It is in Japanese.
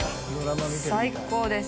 最高です。